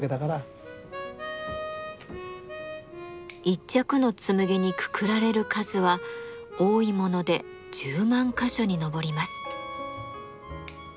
一着の紬にくくられる数は多いもので１０万か所に上ります。